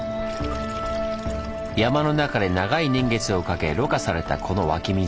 山の中で長い年月をかけろ過されたこの湧き水。